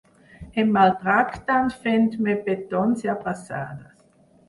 Em maltracten fent-me petons i abraçades.